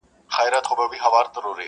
نو مو لاس وي له وحشيی نړۍ پرېولی-